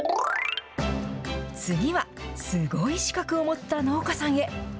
次はすごい資格を持った農家さんへ。